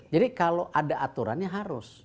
jadi kalau ada aturannya harus